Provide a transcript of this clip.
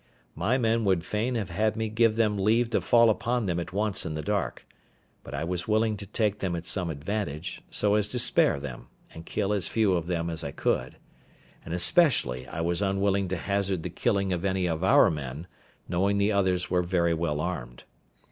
My men would fain have had me give them leave to fall upon them at once in the dark; but I was willing to take them at some advantage, so as to spare them, and kill as few of them as I could; and especially I was unwilling to hazard the killing of any of our men, knowing the others were very well armed.